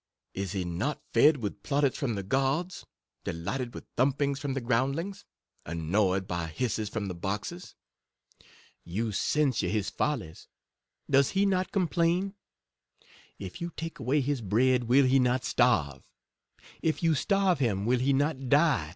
Is he not fed with plaudits from the gods? delighted with th limp ings from the groundlings ? annoyed by hisses from the boxes ? You censure his follies, does he not com plain? If you take away his bread, will he not starve ? If you starve him, will he not die?